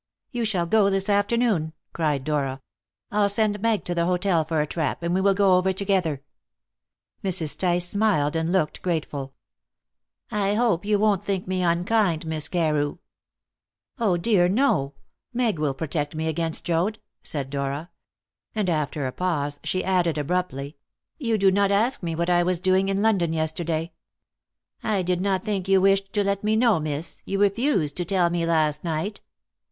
"You shall go this afternoon," cried Dora. "I'll send Meg to the hotel for a trap, and we will go over together." Mrs. Tice smiled and looked grateful. "I hope you won't think me unkind, Miss Carew?" "Oh dear no! Meg will protect me against Joad," said Dora. And, after a pause, she added abruptly: "You do not ask me what I was doing in London yesterday." "I did not think you wished to let me know, miss. You refused to tell me last night."